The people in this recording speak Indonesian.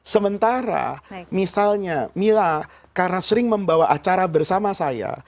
sementara misalnya mila karena sering membawa acara bersama saya